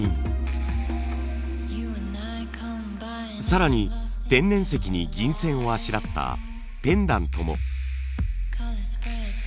更に天然石に銀線をあしらったペンダントも。